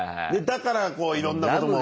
だからこういろんなことも。